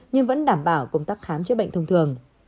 nhưng vẫn đảm bảo công tác khám chữa bệnh thông thường